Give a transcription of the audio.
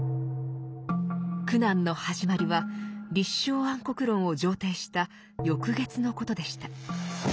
苦難の始まりは「立正安国論」を上呈した翌月のことでした。